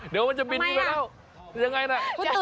เดี๋ยวมันจะบินไปแล้วทำไมนะ